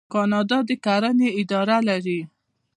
کاناډا د کرنې اداره لري.